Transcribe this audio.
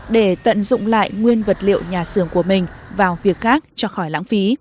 để tận dụng lại nguyên vật liệu nhà xưởng của mình vào việc khác cho khỏi lãng phí